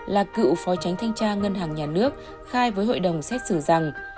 là cựu phó tránh thanh tra ngân hàng nhà nước khai với hội đồng xét xử rằng